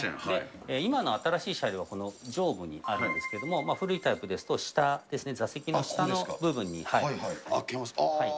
今の新しい車両はこの上部にあるんですけれども、古いタイプですと、下ですね、座席の下の部開けますね。